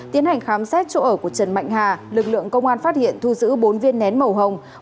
tiến hành khám xét chỗ ở của trần mạnh hà lực lượng công an phát hiện thu giữ bốn viên nén màu hồng